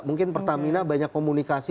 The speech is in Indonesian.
mungkin pertamina banyak komunikasi